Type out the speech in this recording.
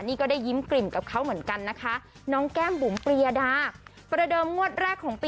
นี่ก็ได้ยิ้มกลิ่มกับเขาเหมือนกันนะคะน้องแก้มบุ๋มปรียดาประเดิมงวดแรกของปี